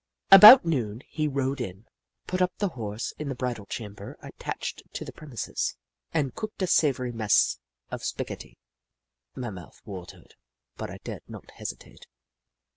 About noon, he rode in, put up the Horse Hoop La 165 in the bridle chamber attached to the premises, and cooked a savoury mess of spaghetti. My mouth watered, but I dared not hesitate.